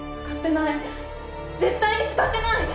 絶対に使ってない！